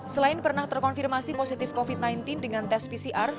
selain pernah terkonfirmasi positif covid sembilan belas dengan tes pcr